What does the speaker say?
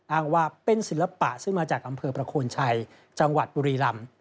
อ้างว่าเป็นศิลปะซึ่งมาจากอำเภอประโคนชัยจังหวัดบุรีรำ